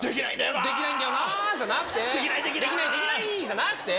できないんだよなーじゃなくできない、できない、できなできないじゃなくて。